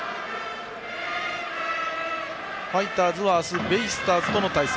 ファイターズは明日ベイスターズとの対戦。